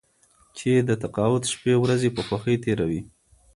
چې د تقاعد شپې ورځې په خوښۍ تېروي.